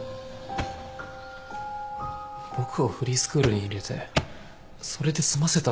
僕をフリースクールに入れてそれで済ませたろ？